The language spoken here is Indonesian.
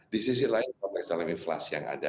di sisi lain konteks alam inflasi yang ada